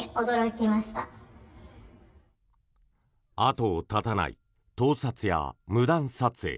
後を絶たない盗撮や無断撮影。